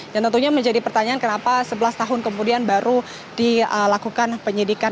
yang tentunya menjadi pertanyaan kenapa sebelas tahun kemudian baru dilakukan penyidikan